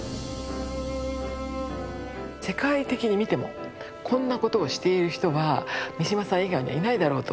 世界的に見てもこんなことをしている人は三島さん以外にはいないだろうと。